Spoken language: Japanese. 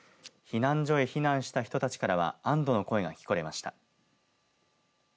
避難所へ避難した人たちからは安どの声が聞かれました。